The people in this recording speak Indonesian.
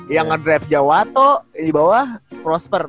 yang ngedrive jawato dibawah prosper